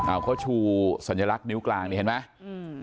เอาเขาชูสัญลักษณ์นิ้วกลางนี่เห็นไหมอืม